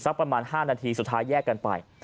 ประมาณ๕นาทีสุดท้ายแยกกันไป